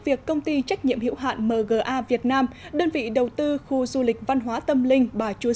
việc công ty trách nhiệm hiệu hạn mga việt nam đơn vị đầu tư khu du lịch văn hóa tâm linh bà chúa